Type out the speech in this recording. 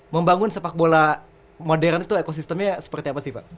membangun sepak bola modern itu ekosistemnya seperti apa sih pak